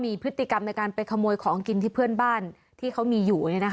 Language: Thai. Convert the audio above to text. มีพฤติกรรมในการไปขโมยของกินที่เพื่อนบ้านที่เขามีอยู่